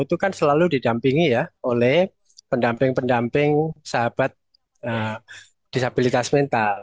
itu kan selalu didampingi ya oleh pendamping pendamping sahabat disabilitas mental